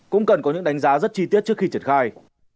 cũng cần có những đánh giá rất chi tiết trước khi triển khai